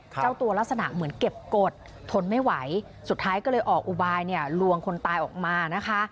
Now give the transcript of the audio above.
เจ้าตัวลักษณะเหมือนเก็บกฎทนไม่ไหวสุดท้ายก็เลยออกอุบายเนี่ยลวงคนตายออกมานะคะ